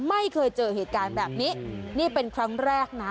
ไม่เคยเจอเหตุการณ์แบบนี้นี่เป็นครั้งแรกนะ